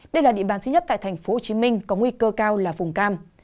đây là địa bàn thứ nhất tại tp hcm có nguy cơ cao là vùng cam